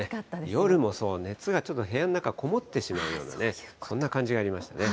夜もそう、熱が部屋の中、こもってしまうようなね、そんな感じがありましたね。